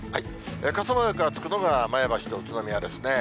傘マークがつくのが前橋と宇都宮ですね。